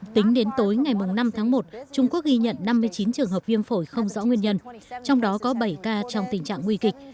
tính đến tối ngày năm tháng một trung quốc ghi nhận năm mươi chín trường hợp viêm phổi không rõ nguyên nhân trong đó có bảy ca trong tình trạng nguy kịch